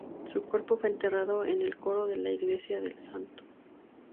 Su cuerpo fue enterrado en el coro de la iglesia de St.